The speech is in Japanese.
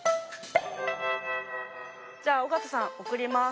じゃあ尾形さん送ります。